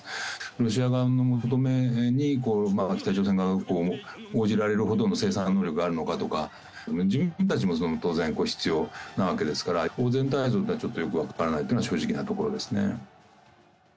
ロシア側の求めに北朝鮮側が応じられるほどの生産能力があるのかとか、自分たちも当然必要なわけですから、全体像っていうのはちょっと分からないっていうのが正直なところですね。